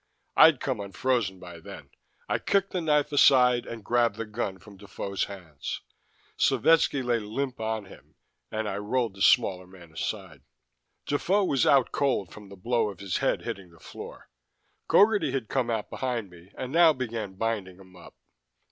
I'd come unfrozen by then. I kicked the knife aside and grabbed the gun from Defoe's hands. Slovetski lay limp on him, and I rolled the smaller man aside. Defoe was out cold from the blow of his head hitting the floor. Gogarty had come out behind me and now began binding him up.